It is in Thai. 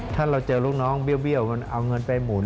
ถ้าเราเจอลูกน้องเบี้ยวมันเอาเงินไปหมุน